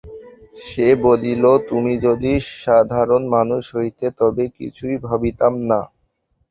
সে বলিল, তুমি যদি সাধারণ মানুষ হইতে তবে কিছুই ভাবিতাম না।